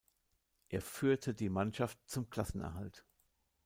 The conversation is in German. Er führte die Mannschaft zum Klassenerhalt.